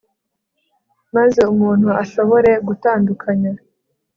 maze umuntu ashobore gutandukanya